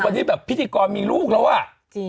บางทีพิการมีลูกแล้วอะ